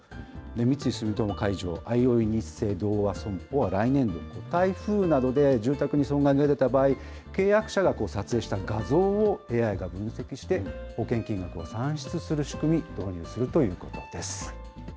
三井住友海上、あいおいニッセイ同和損保は来年度、台風などで住宅に損害が出た場合、契約者が撮影した画像をＡＩが分析して、保険金額を算出する仕組みを来年度、導入するということです。